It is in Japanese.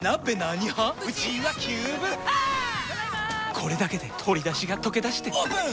これだけで鶏だしがとけだしてオープン！